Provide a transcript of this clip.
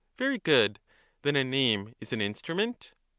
Very good: then a name is an instrument?